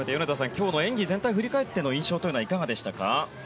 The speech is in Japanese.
今日の演技全体を振り返っての印象というのはいかがでしたか？